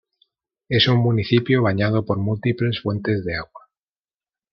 Es un municipio bañado por múltiples fuentes de agua.